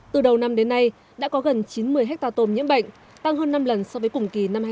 từ đầu năm đến nay đã có gần chín mươi hectare tôm nhiễm bệnh tăng hơn năm lần so với cùng kỳ năm hai nghìn một mươi tám